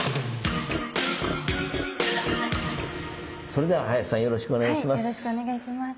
それでは林さんよろしくお願いします。